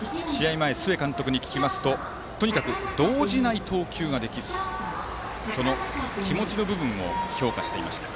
前、須江監督に聞きますととにかく動じない投球ができるとその気持ちの部分を評価していました。